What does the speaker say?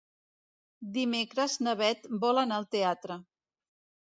Dimecres na Beth vol anar al teatre.